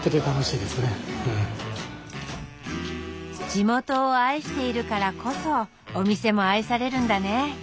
地元を愛しているからこそお店も愛されるんだね。